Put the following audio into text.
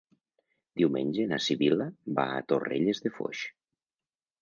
Diumenge na Sibil·la va a Torrelles de Foix.